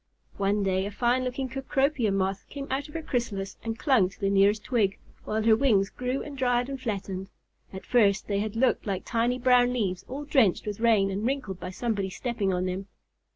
One day a fine looking Cecropia Moth came out of her chrysalis and clung to the nearest twig while her wings grew and dried and flattened. At first they had looked like tiny brown leaves all drenched with rain and wrinkled by somebody's stepping on them.